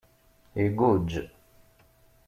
Iguǧǧ.